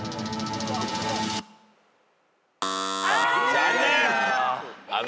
残念！